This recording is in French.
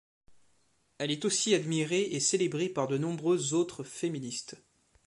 Elle est aussi admirée et célébrée par de nombreuses autres féministes.